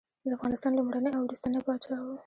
د افغانستان لومړنی او وروستنی پاچا وو.